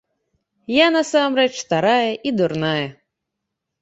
Я насамрэч старая і дурная.